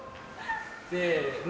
せの。